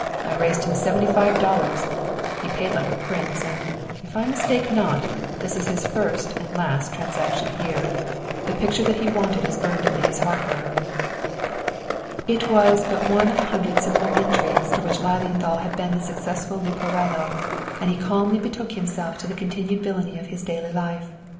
"I raised him seventy five dollars! He paid like a prince, and, if I mistake not, this is his first and last transaction here. The picture that he wanted is burned into his heart now." It was but one of a hundred similar intrigues to which Lilienthal had been the successful Leporello, and he calmly betook himself to the continued villainy of his daily life.